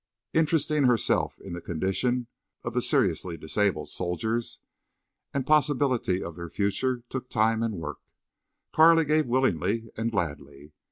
Interesting herself in the condition of the seriously disabled soldiers and possibility of their future took time and work Carley gave willingly and gladly.